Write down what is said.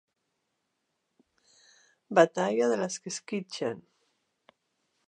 Batalla de les que esquitxen.